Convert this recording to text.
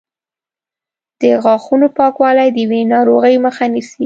د غاښونو پاکوالی د وینې ناروغیو مخه نیسي.